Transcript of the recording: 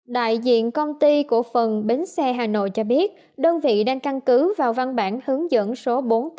đại diện công ty của phần bến xe hà nội cho biết đơn vị đang căn cứ vào văn bản hướng dẫn số bốn nghìn tám trăm một mươi bảy